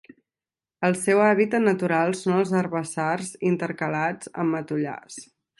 El seu hàbitat natural són els herbassars intercalats amb matollars.